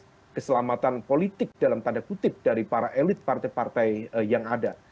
untuk keselamatan politik dalam tanda kutip dari para elit partai partai yang ada